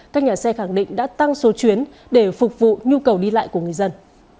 các nhà xe khẳng định đã tăng số chuyến để phục vụ nhu cầu đi lại của người dân